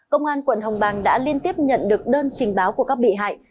công an quận hồng bàng đã liên tiếp nhận được đơn trình báo của các bị hại